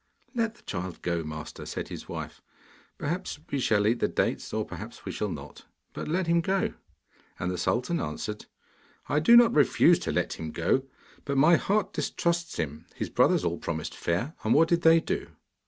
'Let the child go, Master,' said his wife; 'perhaps we shall eat the dates or perhaps we shall not but let him go.' And the sultan answered: 'I do not refuse to let him go, but my heart distrusts him. His brothers all promised fair, and what did they do?